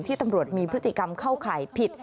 ตำรวจมีพฤติกรรมเข้าข่ายผิด